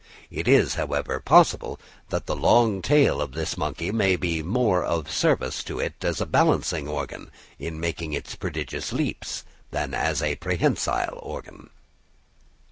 It is, however, possible that the long tail of this monkey may be of more service to it as a balancing organ in making its prodigious leaps, than as a prehensile organ.